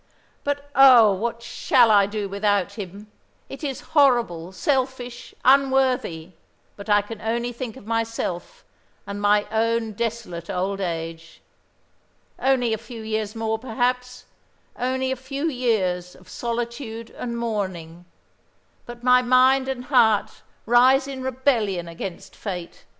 But oh, what shall I do without him? It is horrible, selfish, unworthy; but I can only think of myself and my own desolate old age. Only a few years more, perhaps, only a few years of solitude and mourning; but my mind and heart rise in rebellion against Fate.